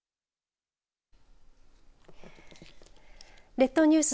列島ニュース